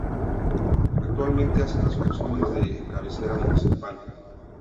Actualmente hace las funciones de cabecera municipal.